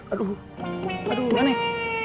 aduh mana ya